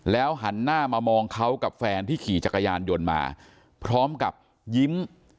หันหน้ามามองเขากับแฟนที่ขี่จักรยานยนต์มาพร้อมกับยิ้ม